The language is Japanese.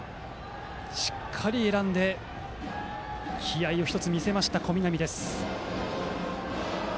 しっかり選んで気合いを１つ見せた小南です。